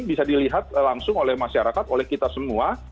bisa dilihat langsung oleh masyarakat oleh kita semua